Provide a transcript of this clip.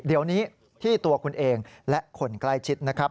เดี๋ยวนี้ที่ตัวคุณเองและคนใกล้ชิดนะครับ